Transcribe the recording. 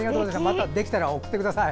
またできたら送ってください。